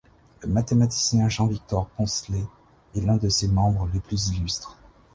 Le mathématicien Jean-Victor Poncelet est un de ses membres les plus illustres.